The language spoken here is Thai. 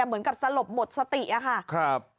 เหมือนกับสลบหมดสติอะค่ะครับ